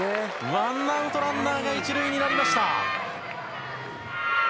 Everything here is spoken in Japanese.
ワンアウト、ランナーが１塁になりました。